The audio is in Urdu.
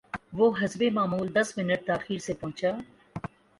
وہ حسب معمول دس منٹ تا خیر سے پہنچا